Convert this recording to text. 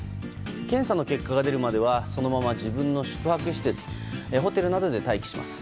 検査の結果が出るまではそのまま自分の宿泊施設やホテルなどで待機します。